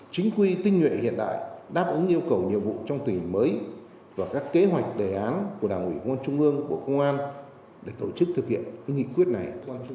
chính quy tinh nguyện hiện đại đáp ứng yêu cầu nhiệm vụ trong tủ mới và các kế hoạch đề án của đảng ủy quân trung ương bộ công an để tổ chức thực hiện nghị quyết này